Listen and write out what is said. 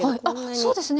そうですね。